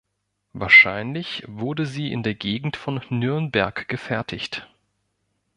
Wahrscheinlich wurde sie in der Gegend von Nürnberg gefertigt.